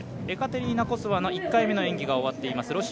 エカテリーナ・コソワの１回目の演技が終わっています。